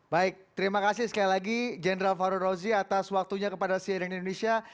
baik terima kasih sekali lagi general farul rozi atas waktunya kepada cnn indonesia